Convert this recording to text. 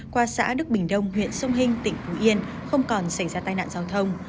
qua xã đức bình đông huyện sông hinh tỉnh phú yên không còn xảy ra tai nạn giao thông